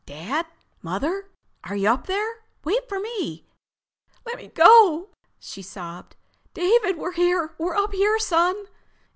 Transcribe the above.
"Dad?... Mother?... Are you up there? Wait for me." "Let me go!" she sobbed. "David, we're here! We're up here, son!"